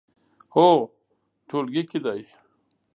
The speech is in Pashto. هو، ټولګي کې دی